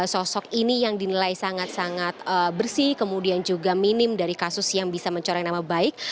sosok ini yang dinilai sangat sangat bersih kemudian juga minim dari kasus yang bisa mencoreng nama baik